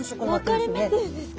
分かれ目っていうんですか